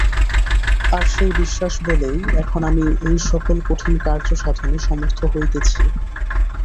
আর সেই বিশ্বাসবলেই এখন আমি এই-সকল কঠিন কার্যসাধনে সমর্থ হইতেছি।